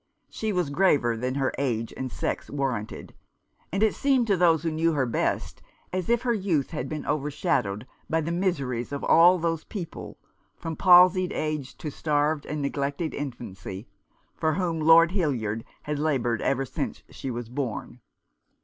She was graver than her age and sex warranted ; and it seemed to those who knew her best as if her youth had been overshadowed by the miseries of all those people — from palsied age to starved and neglected infancy — for whom Lord Hildyard had laboured ever since she was born.